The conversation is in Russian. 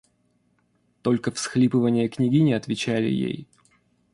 Только всхлипыванья княгини отвечали ей.